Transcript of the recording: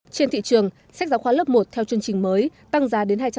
trên thị trường sách giáo khoa lớp một theo chương trình mới tăng giá đến hai trăm sáu mươi bảy